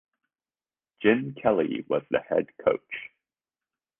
Jim Kelly was the head coach.